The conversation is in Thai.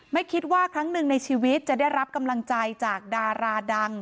ไม่คิดว่าครั้งหนึ่งในชีวิตจะได้รับกำลังใจจากดาราดัง